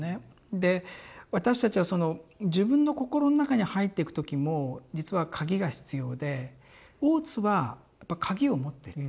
で私たちは自分の心の中に入っていく時も実は鍵が必要で大津はやっぱ鍵を持ってる。